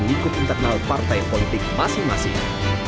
lingkup internal partai politik masing masing